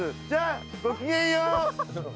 じゃあ。